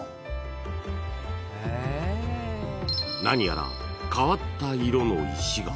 ［何やら変わった色の石が］